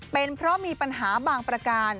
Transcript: เป็นเพราะมีปัญหาบางประการ